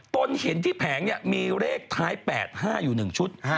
ตนเห็นที่แผงมีเลขท้าย๘๕อยู่๑ชุด